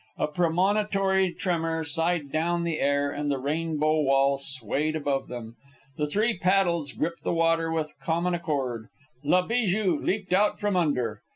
A premonitory tremor sighed down the air, and the rainbow wall swayed above them. The three paddles gripped the water with common accord. La Bijou leaped out from under.